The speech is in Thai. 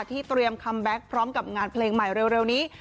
เตรียมคัมแบ็คพร้อมกับงานเพลงใหม่เร็วนี้